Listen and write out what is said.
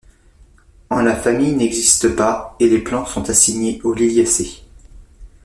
En la famille n'existe pas et les plantes sont assignées aux Liliacées.